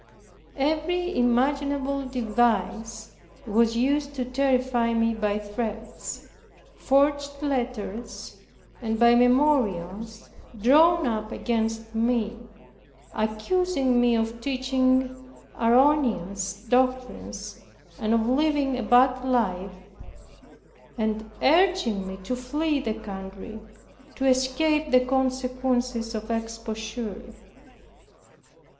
Every imaginable device was used to terrify me by threats, forged letters, and by memorials drawn up against me, accusing me of teaching erroneous doctrines, and of living a bad life and urging me to flee the country to escape the consequences of exposure.